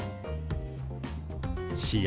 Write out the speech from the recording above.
試合